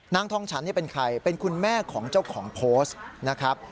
นางทองฉันเป็นใครเป็นคุณแม่ของเจ้าของโพสต์นะครับ